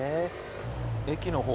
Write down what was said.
駅の方？